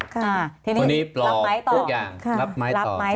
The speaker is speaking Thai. คนนี้ปลอบทุกอย่างรับไม้ต่อ